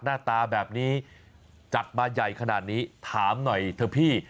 หน้าตาแบบนี้จัดมาใหญ่ขนาดนี้ถามหน่อยเถอะพี่